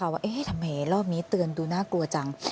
คราวนี้แหละคะว่าทำไมเล่าบนี้ตืนดูน่ากลัวจัง